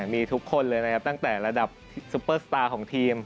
มีทุกคนเลยนะครับตั้งแต่ระดับซุปเปอร์สตาร์ของทีม